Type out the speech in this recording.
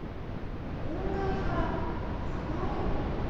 問題から離れる？